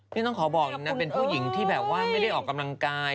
ต้องขอบอกนะเป็นผู้หญิงที่แบบว่าไม่ได้ออกกำลังกาย